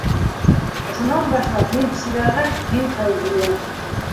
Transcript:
Ошонан башлап, мин - Сибәғәт, һин - Фәүзиә.